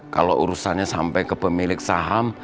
kalau urusannya sampai ke pemilik saham